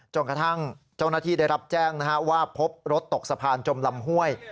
จนกระทั่งเจ้าหน้าที่ได้รับแจ้งว่าพบรถตกสะพานจมลำห้วย